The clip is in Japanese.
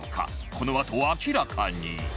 このあと明らかに